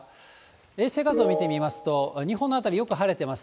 衛星画像見てみますと、日本の辺り、よく晴れてます。